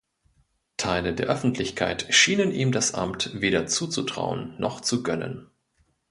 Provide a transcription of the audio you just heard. Teile der Öffentlichkeit schienen ihm das Amt weder zuzutrauen noch zu gönnen.